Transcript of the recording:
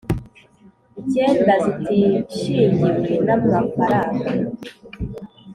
icyenda zitishingiwe n amafaranga